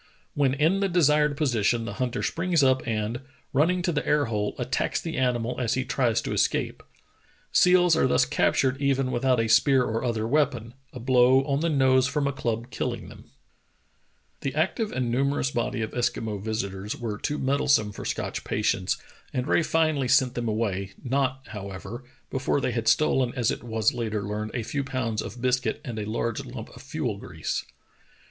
When in the desired position the hunter springs up and, running to the air hole, attacks the animal as he tries to escape. Seals are thus captured even without a spear or other weapon, a blow on the nose from a club killing them. 150 True Tales of Arctic Heroism The active and numerous body of Eskimo visitors were too meddlesome for Scotch patience, and Rae finally sent them away, not, however, before they had stolen, as it was later learned, a few pounds of biscuit and a large lump of fuel grease.